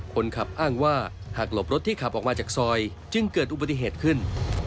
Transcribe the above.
คนขับอ้างว่าหากหลบรถที่ขับออกมาจากซอยจึงเกิดอุบัติเหตุขึ้น